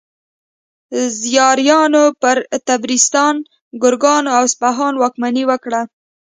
زیاریانو پر طبرستان، ګرګان او اصفهان واکمني وکړه.